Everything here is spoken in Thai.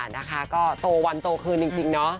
นะคะก็โตวันโตคืนจริงเนาะ